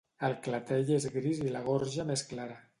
El clatell és gris i la gorja més clara.